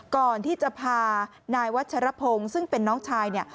ก่อนที่จะพานายวัชรพงศ์ซึ่งเป็นน้องชายเนี่ย